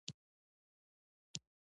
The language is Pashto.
چي خپل حق غوښتلای نه سي او پراته وي لکه مړي